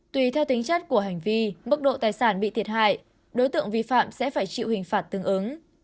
tùy theo tính chất của hành vi mức độ tài sản bị thiệt hại đối tượng vi phạm sẽ phải chịu hình phạt tương ứng